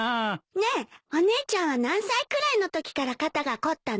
ねえお姉ちゃんは何歳くらいのときから肩が凝ったの？